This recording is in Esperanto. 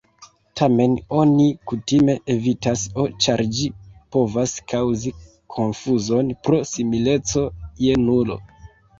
Tamen oni kutime evitas "o" ĉar ĝi povas kaŭzi konfuzon pro simileco je nulo.